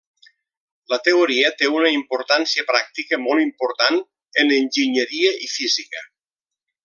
La teoria té una importància pràctica molt important en enginyeria i física.